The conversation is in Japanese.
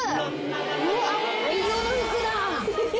うわ大量の服だ。